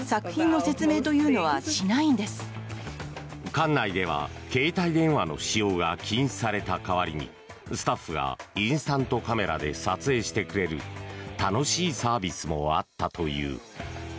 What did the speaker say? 館内では携帯電話の使用が禁止された代わりにスタッフがインスタントカメラで撮影してくれる楽しいサービスもあったという。